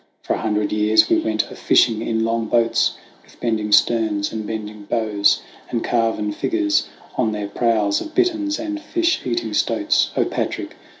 for a hundred years We went a fishing in long boats With bending sterns and bending bows, And carven figures on their prows Of bitterns and fish eating stoats. Patric !